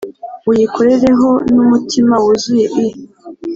uyikorere h n umutima wuzuye i